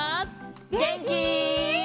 げんき？